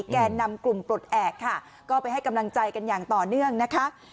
แก่นำกลุ่มปลดแอบค่ะก็ไปให้กำลังใจกันอย่างต่อเนื่องนะคะ